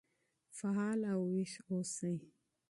فعال او ويښ اوسئ.